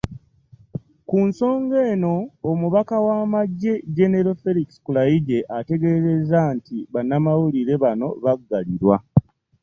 Ku nsonga eno, Omubaka w'amagye, Jjenero Felix Kulaigye ategeezezza nti bannamawulire bano baggalirwa